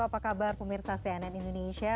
apa kabar pemirsa cnn indonesia